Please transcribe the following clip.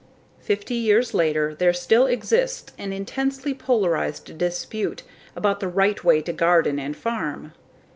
Fifty years later there still exists an intensely polarized dispute about the right way to garden and farm.